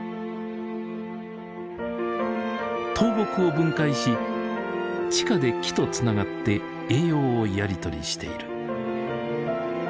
倒木を分解し地下で木とつながって栄養をやり取りしている。